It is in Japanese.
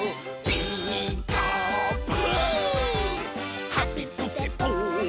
「ピーカーブ！」